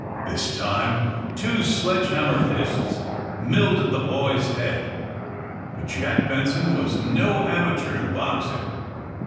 This time two sledge hammer fists milled at the boy's head. But Jack Benson was no ama teur in boxing.